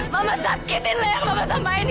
mama sakitin leher mama sama ini